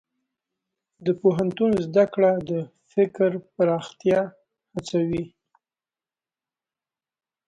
د پوهنتون زده کړه د فکر پراختیا هڅوي.